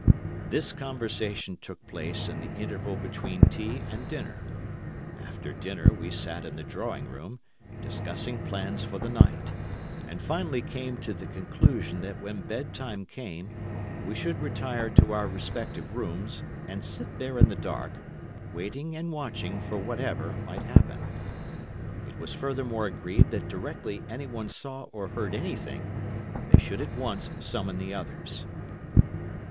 This conversation took place in the interval between tea and dinner. After dinner we sat in the drawing room, discussing plans for the night, and finally came to the conclusion that when bed time came we should retire to our respective rooms, and sit there in the dark, waiting and watching for whatever might happen. It was furthermore agreed that directly anyone saw or heard anything, they should at once summon the others.